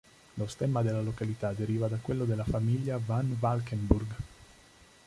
Lo stemma della località deriva da quello della famiglia Van Valkenburg.